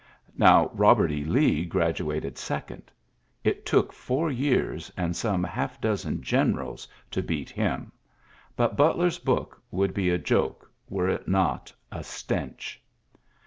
Now Eobert B. Lee graduated second. It took four years and some half dozen generals to beat him. But Butler's book would be a joke, were it not a stench.